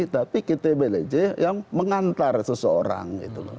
tapi ktblc yang mengantar seseorang